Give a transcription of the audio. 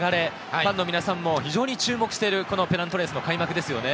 ファンの皆さんも非常に注目しているペナントレースの開幕ですよね。